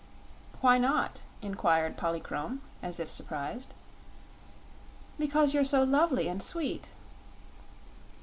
"Why not?" inquired Polychrome, as if surprised. "Because you're so lovely and sweet."